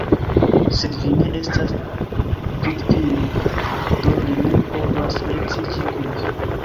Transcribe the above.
Sed vi ne estas vidvino; do li ne povas reedziĝi kun vi.